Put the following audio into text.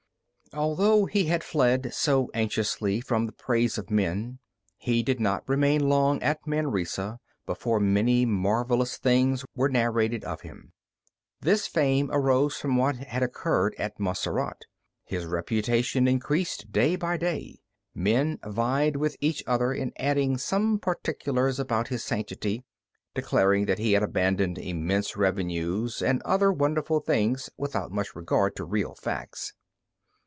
Although he had fled so anxiously from the praise of men, he did not remain long at Manresa before many marvellous things were narrated of him. This fame arose from what had occurred at Montserrat. His reputation increased day by day. Men vied with each other in adding some particulars about his sanctity, declaring that he had abandoned immense revenues, and other wonderful things without much regard to real facts.